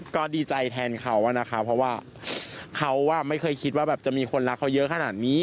ก็ดีใจแทนเขานะคะเพราะว่าเขาไม่เคยคิดว่าแบบจะมีคนรักเขาเยอะขนาดนี้